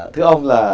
thưa ông là